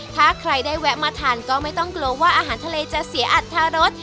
ถ้าใครได้แวะมาทานก็ไม่ต้องกลัวว่าอาหารทะเลจะเสียอัตรรส